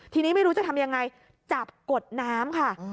ทีนี้ไม่รู้จะทำยังไงจับกดน้ำค่ะ